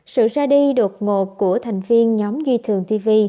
sự ra đi đột ngột của thành viên nhóm duy thường tv